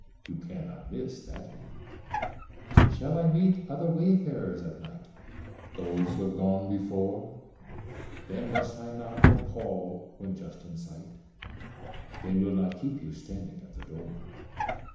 You cannot miss that Inn. "Shall I meet other wayfarers at night? Those who have gone before. Then must I knock, or call when just in sight? They will not keep you standing at the door.